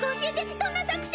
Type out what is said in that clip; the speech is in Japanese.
どんな作戦？